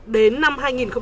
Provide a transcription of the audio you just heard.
đến năm hai nghìn một mươi năm